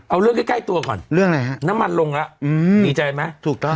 เอาเรื่องใกล้ใกล้ตัวก่อนเรื่องอะไรฮะน้ำมันลงแล้วอืมดีใจไหมถูกต้อง